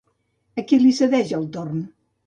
A qui li cedeix el torn?